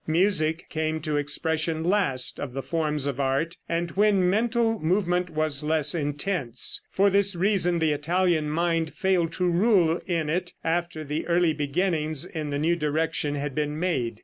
Music came to expression last of the forms of art, and when mental movement was less intense. For this reason the Italian mind failed to rule in it after the early beginnings in the new direction had been made.